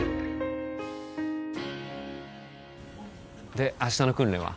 で明日の訓練は？